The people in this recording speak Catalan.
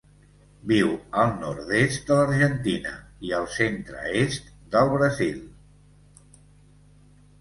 Viu al nord-est de l'Argentina i el centre-est del Brasil.